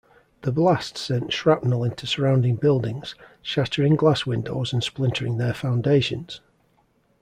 The blast sent shrapnel into surrounding buildings, shattering glass windows and splintering their foundations.